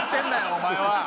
お前は。